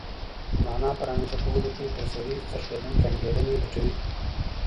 د مانا په رامنځته کولو کې پر سړي څرخېدونکې انګېرنې لټوي.